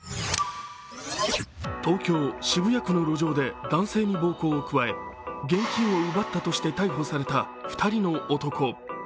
東京・渋谷区の路上で男性に暴行を加え、現金を奪ったとして逮捕された２人の男。